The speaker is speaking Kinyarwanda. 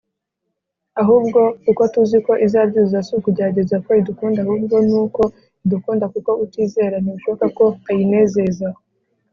, ahubwo kuko tuzi ko izabyuzuza; si ukugerageza ko idukunda, ahubwo ni uko idukunda. “Kuko utizera ntibishoboka ko ayinezeza,